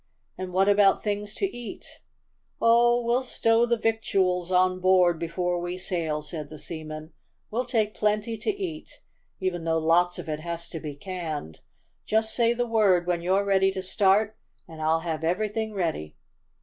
"And what about things to eat?" "Oh, we'll stow the victuals on board before we sail," said the seaman. "We'll take plenty to eat, even though lots of it has to be canned. Just say the word when you're ready to start, and I'll have everything ready."